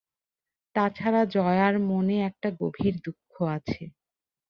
তাছাড়া জয়ার মনে একটা গভীর দুঃখ আছে।